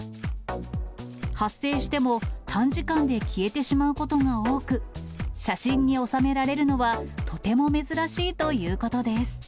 発生しても短時間で消えてしまうことが多く、写真に収められるのは、とても珍しいということです。